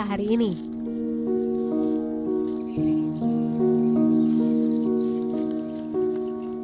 mereka juga bisa membuat pernikahan mereka